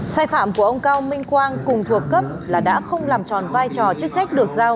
sai phạm của ông cao minh quang cùng thuộc cấp là đã không làm tròn vai trò chức trách được giao